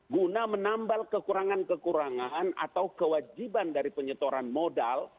guna menambal kekurangan kekurangan atau kewajiban dari penyetoran modal